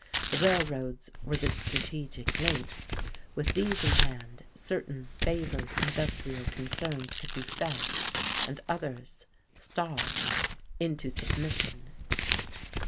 The railroads were the strategic links. With these in hand, certain favoured industrial concerns could be fed, and others starved into submission.